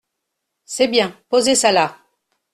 C’est bien… posez ça là !